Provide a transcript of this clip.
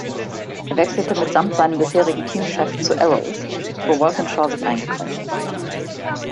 Er wechselte mitsamt seinem bisherigen Teamchef zu Arrows, wo Walkinshaw sich eingekauft hatte.